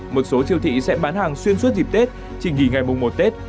một số siêu thị sẽ bán hàng xuyên suốt dịp tết trình nghỉ ngày mùng một tết